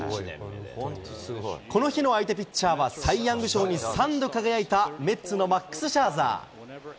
この日の相手ピッチャーは、サイ・ヤング賞に３度輝いたメッツのマックス・シャーザー。